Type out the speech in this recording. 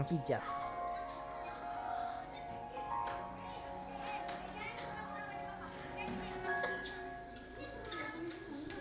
saya bekerja sebagai pijak